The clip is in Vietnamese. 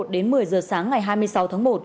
đến một mươi giờ sáng ngày hai mươi sáu tháng một